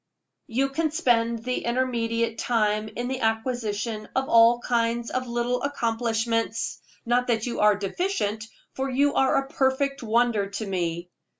You can spend the intermediate time in the acquisition of all kinds of little accomplishments; not that you are deficient, for you are a perfect wonder to me.